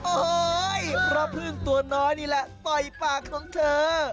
โอ้โหพระพึ่งตัวน้อยนี่แหละต่อยปากของเธอ